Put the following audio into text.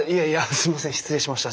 すみません失礼しました。